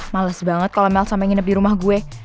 males banget kalo mel sampe nginep di rumah gue